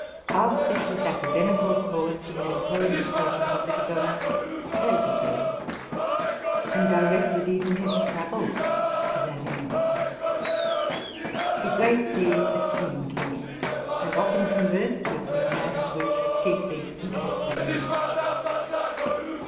After his academical course, he had ein ployed himself in political and state affairs, and directed even his travels to that end. He greatly esteemed me, and often conversed with me on matters which chiefly interested him.